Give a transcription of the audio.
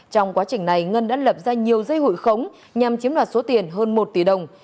trong quá trình này ngân đã lập ra nhiều dây hụi khống nhằm chiếm đoạt số tiền hơn một tỷ đồng